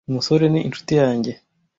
umusore ni inshuti yanjye.